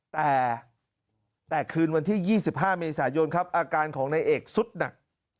แต่แต่คืนวันที่๒๕เมษายนครับอาการของนายเอกสุดหนัก